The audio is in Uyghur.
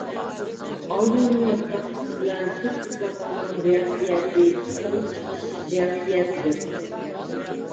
ئاليۇمىن ياپراقچىسى بىلەن تۇز كىسلاتانىڭ رېئاكسىيەسى ئىسسىقلىق چىقىرىش رېئاكسىيەسىدۇر.